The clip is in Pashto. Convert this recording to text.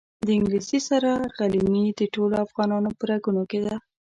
د انګلیس سره غلیمي د ټولو افغانانو په رګونو کې ده.